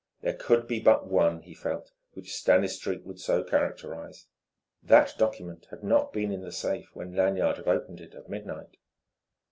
There could be but one, he felt, which Stanistreet would so characterize. That document had not been in the safe when Lanyard had opened it at midnight.